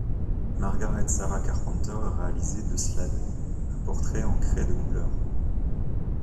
Margaret Sarah Carpenter a réalisé de Slade un portrait en craie de couleur.